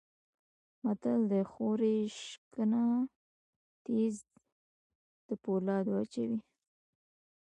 متل دی: خوري شکنه تیز د پولاو اچوي.